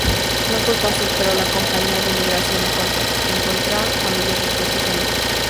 No fue fácil para la compañía de emigración encontrar familias dispuestas a emigrar.